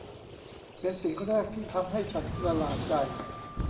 เป็นสิ่งแรกที่ทำให้ฉันประหลาดใจ